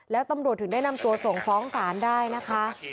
แล้วตำรวจถึงได้นำตัวส่งฟ้องศาลได้นะคะ